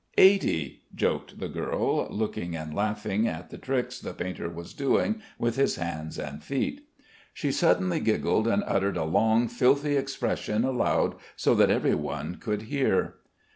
"Eighty," joked the girl, looking and laughing at the tricks the painter was doing with his hands and feet. She suddenly giggled and uttered a long filthy expression aloud so that every one could hear.